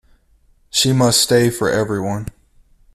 She must stay for everyone.